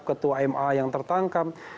ketua ma yang tertangkap